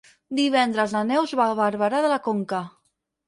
Divendres na Neus va a Barberà de la Conca.